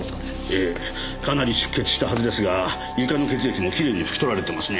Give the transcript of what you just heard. ええかなり出血したはずですが床の血液もきれいに拭き取られてますね。